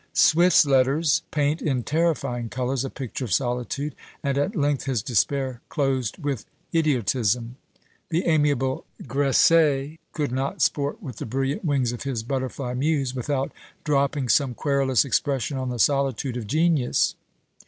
Swift's letters paint in terrifying colours a picture of solitude, and at length his despair closed with idiotism. The amiable Gresset could not sport with the brilliant wings of his butterfly muse, without dropping some querulous expression on the solitude of genius.